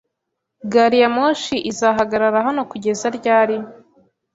Gariyamoshi izahagarara hano kugeza ryari?